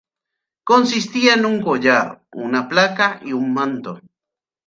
Consistía en un collar, una placa y un manto.